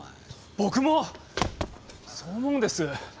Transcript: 僕もそう思うんです。